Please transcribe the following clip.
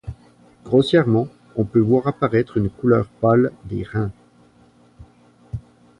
Grossièrement, on peut voir apparaître une couleur pâle des reins.